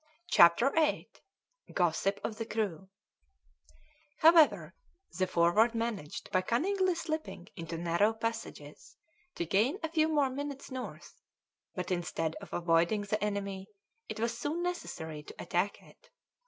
CHAPTER VIII GOSSIP OF THE CREW However, the Forward managed, by cunningly slipping into narrow passages, to gain a few more minutes north; but instead of avoiding the enemy, it was soon necessary to attack it.